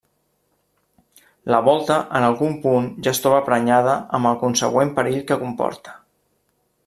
La volta en algun punt ja es troba prenyada amb el consegüent perill que comporta.